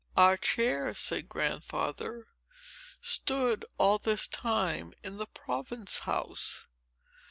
"Our chair," said Grandfather, "stood all this time in the Province House.